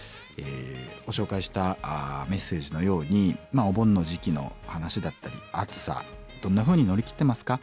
ご紹介したメッセージのようにお盆の時期の話だったり暑さどんなふうに乗り切ってますか？